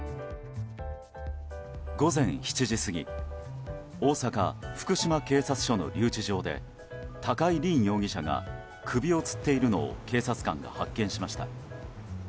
午前７時過ぎ大阪・福島警察署の留置場で高井凜容疑者が首をつっているのを警察官が発見しました。